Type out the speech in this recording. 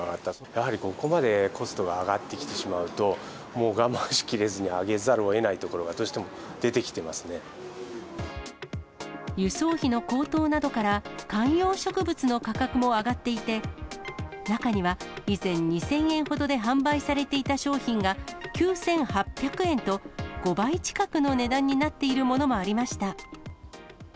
やはりここまでコストが上がってきてしまうと、もう我慢しきれずに上げざるをえないところが、どうしても出てき輸送費の高騰などから、観葉植物の価格も上がっていて、中には以前２０００円ほどで販売されていた商品が９８００円と、５倍近くの値段になっているものもありました。